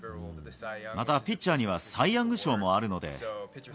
またピッチャーには、サイ・ヤング賞もあるので。